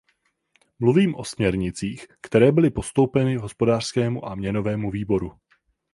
Mluvím o směrnicích, které byly postoupeny Hospodářskému a měnovému výboru.